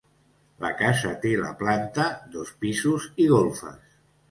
La casa té la planta, dos pisos i golfes.